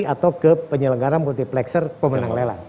atau ke penyelenggara multiplexer pemenang lelang